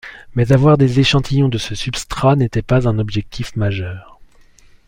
Mais avoir des échantillons de ce substrat n'était pas un objectif majeur.